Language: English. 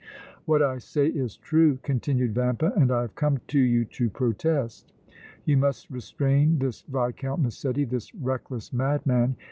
"What I say is true," continued Vampa, "and I have come to you to protest. You must restrain this Viscount Massetti, this reckless madman!